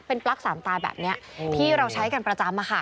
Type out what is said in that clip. เป็นปลั๊กสามตาแบบนี้ที่เราใช้กันประจำ